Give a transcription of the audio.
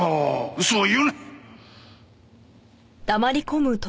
嘘を言うな！